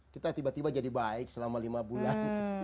kita tiba tiba jadi baik selama lima bulan